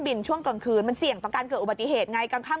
ช่วงกลางคืนมันเสี่ยงต่อการเกิดอุบัติเหตุไงกลางค่ำ